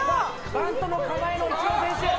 バントの構えのニッチロー選手。